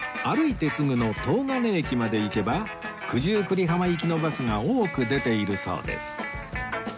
歩いてすぐの東金駅まで行けば九十九里浜行きのバスが多く出ているそうです